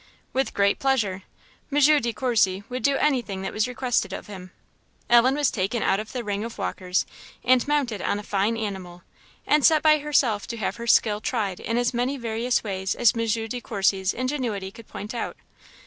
"With great pleasure!" M. De Courcy would do anything that was requested of him. Ellen was taken out of the ring of walkers and mounted on a fine animal, and set by herself to have her skill tried in as many various ways as M. De Courcy's ingenuity could point out.